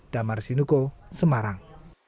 damar sinuko semarang